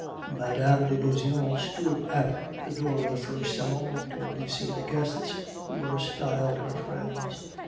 Madame de Beauseant stood at the door of the first salon to receive the guests who were styled her friends.